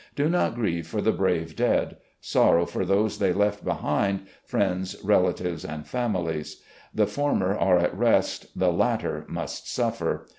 Do not grieve for the brave dead. Sorrow for those they left behind — ^friends, relatives, and families. The former are at rest. The latter must suffer.